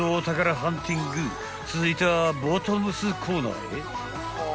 ［続いてはボトムスコーナーへ］